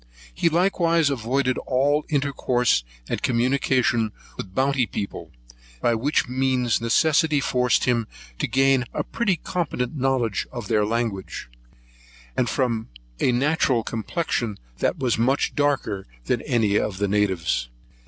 He likewise avoided all intercourse and communication with the Bounty's people, by which means necessity forced him to gain a pretty competent knowledge of their language; and from natural complexion was much darker than any of the natives.